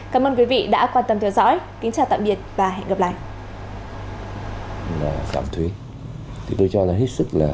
cảm ơn quý vị đã quan tâm theo dõi